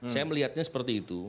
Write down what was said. saya melihatnya seperti itu